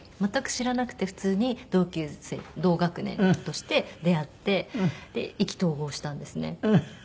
全く知らなくて普通に同級生同学年として出会ってで意気投合したんですね。